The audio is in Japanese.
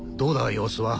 様子は。